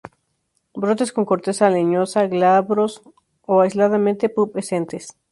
Brotes con corteza leñosa, glabros o aisladamente pubescentes.